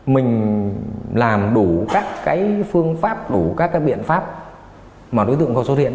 mình làm đủ các cái phương pháp đủ các cái biện pháp mà đối tượng có xuất hiện